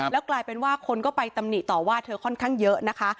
แล้วกลายเป็นว่าคนก็ไปตำหนิต่อว่าเธอค่อนข้างเยอะนะคะ